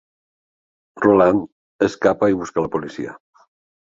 Roland escapa i busca la policia.